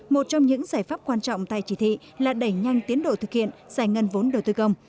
một trong những giải pháp quan trọng tại chỉ thị là đẩy nhanh tiến độ thực hiện giải ngân vốn đầu tư công